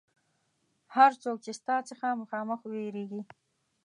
هر څوک چې ستا څخه مخامخ وېرېږي.